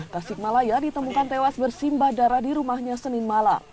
tasik malaya ditemukan tewas bersimbah darah di rumahnya senin malak